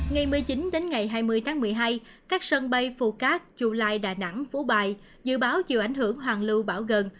ngày một mươi chín đến ngày hai mươi tháng một mươi hai các sân bay phu cát chu lai đà nẵng phú bài dự báo chịu ảnh hưởng hoàn lưu bão gần